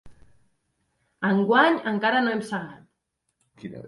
Enguany encara no hem segat.